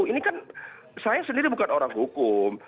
ini kan saya sendiri bukan orang hukum